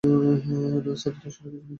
না, স্যার, ধর্ষণের কিছুই নেই।